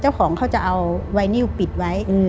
เจ้าของเขาจะเอาไวนิวปิดไว้